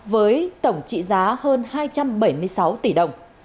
với tổng trị giá hơn hai trăm bảy mươi sáu tỷ đồng